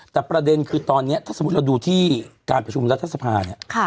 แต่ประเด็นคือตอนนี้ถ้าสมมุติเราดูที่การประชุมรัฐสภาเนี่ย